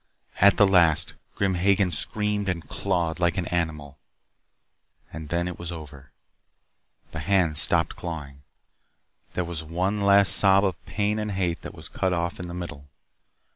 At the last, Grim Hagen screamed and clawed like an animal. And then it was over. The hands stopped clawing. There was one last sob of pain and hate that was cut off in the middle.